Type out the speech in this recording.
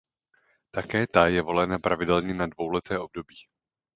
Také ta je volena pravidelně na dvouleté období.